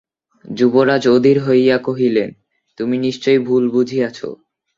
যুবরাজ অধীর হইয়া কহিলেন, তুমি নিশ্চয়ই ভুল বুঝিয়াছ!